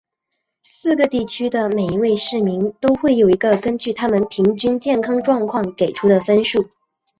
四个地区的每一位市民都会有一个根据他们平均健康状况给出的分数。